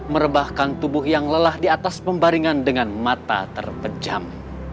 merebahkan tubuh yang lelah di atas pembaringan dengan mata terpejam